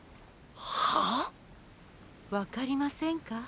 はあ⁉分かりませんか